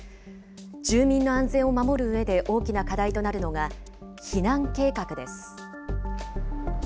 住民の安全を守るうえで大きな課題となるのが、避難計画です。